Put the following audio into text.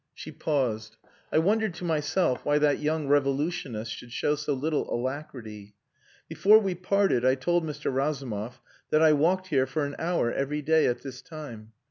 She paused. I wondered to myself why that young revolutionist should show so little alacrity. "Before we parted I told Mr. Razumov that I walked here for an hour every day at this time.